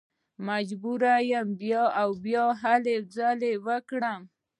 مجبوره یم بیا او بیا هلې ځلې وکړم.